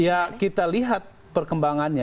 ya kita lihat perkembangannya